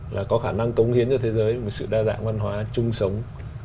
là có khả năng công hiến cho thế giới một sự đa dạng văn hóa chung sống